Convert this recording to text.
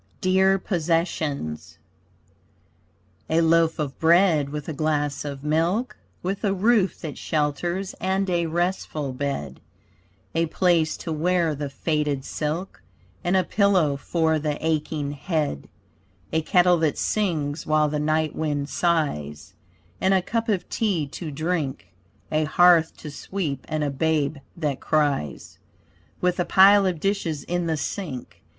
DEAR POSSESSIONS A loaf of bread with a glass of milk With a roof that shelters and a restful bed, A place to wear the faded silk And a pillow for the aching head; A kettle that sings while the night wind sighs, And a cup of tea to drink; A hearth to sweep and a babe that cries, With a pile of dishes in the sink.